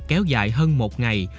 kéo dài hơn một ngày